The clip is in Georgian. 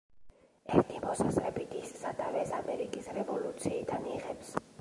ერთი მოსაზრებით ის სათავეს ამერიკის რევოლუციიდან იღებს.